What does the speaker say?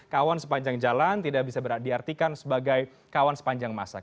kawan sepanjang jalan tidak bisa diartikan sebagai kawan sepanjang masa